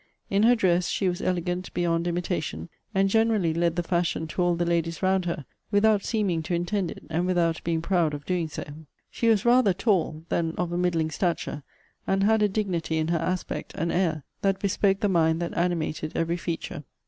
In her dress she was elegant beyond imitation; and generally led the fashion to all the ladies round her, without seeming to intend it, and without being proud of doing so.* * See Vol. VII. Letter LXXXI. She was rather tall than of a middling stature; and had a dignity in her aspect and air, that bespoke the mind that animated every feature.